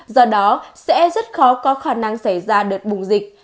do đó sẽ rất khó có khả năng xảy ra đợt bùng dịch